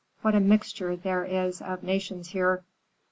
What a mixture there is of nations here!"